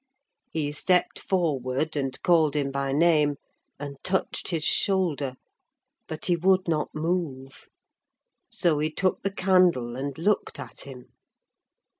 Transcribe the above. He stepped forward, and called him by name, and touched his shoulder; but he would not move: so he took the candle and looked at him.